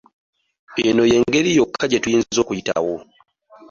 Eno y'engeri yokka gye tuyinza okuyitawo.